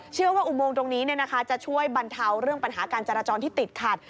อุโมงตรงนี้จะช่วยบรรเทาเรื่องปัญหาการจราจรที่ติดขัด